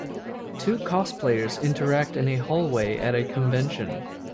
Two cosplayers interact in a hallway at a convention.